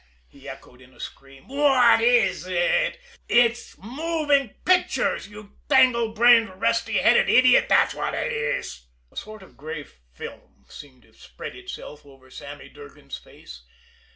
he echoed in a scream. "What is it! It's moving pictures, you tangle brained, rusty headed idiot! That's what it is!" A sort of dull gray film seemed to spread itself over Sammy Durgan's face.